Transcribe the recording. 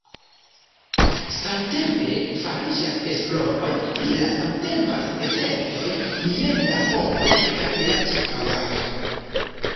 Samtempe fariĝas esploroj pri la samtempaj efektoj je la homoj kaj la ĉirkaŭaĵo.